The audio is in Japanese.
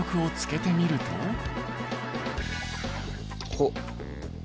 ほっ。